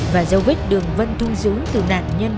và dấu vết đường vân thu giữ từ nạn nhân